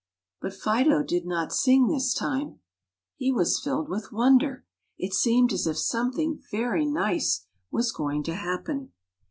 But Fido did not sing this time; he was filled with wonder. It seemed as if something very nice was going to happen.